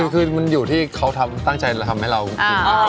คือมันอยู่ที่เขาตั้งใจจะทำให้เรากิน